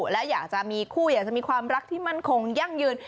และอยากจะมีคู่อยากจะมีความรักที่มั่นคงยั่งยืน